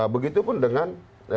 begitu pun dengan